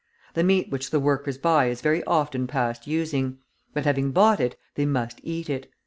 The meat which the workers buy is very often past using; but having bought it, they must eat it.